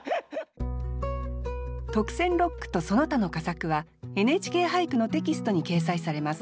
特選六句とその他の佳作は「ＮＨＫ俳句」のテキストに掲載されます。